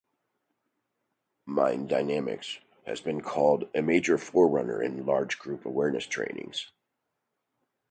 Mind Dynamics has been called a major forerunner of large group awareness trainings.